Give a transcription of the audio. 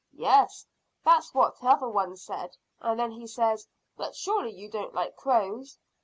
"Yes, that's what t'other one said; and then he says, `But surely you don't like crows?'